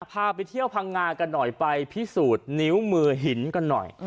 พาไปเที่ยวพังงากันหน่อยไปพิสูจน์นิ้วมือหินกันหน่อย